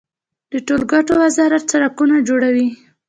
د ټولګټو وزارت سړکونه جوړوي